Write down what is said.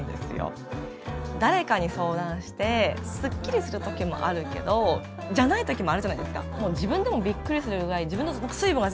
私は誰かに相談してすっきりする時もあるけどじゃない時もあるじゃないですか。